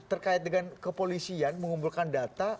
terkait dengan kepolisian mengumpulkan data